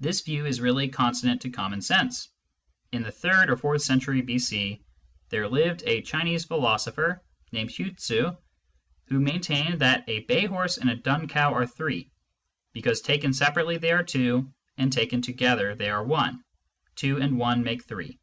This view is really consonant to common sense. In the third or fourth century b.c. there lived a Chinese philo sopher named Hui Tztt, who maintained that "a bay horse and a dun cow are three ; because taken separately they are two, and taken together they are one : two and one make three."